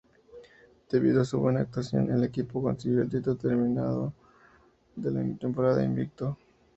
Debido a su buena actuación, el equipo consiguió el título, terminando la temporada invicto.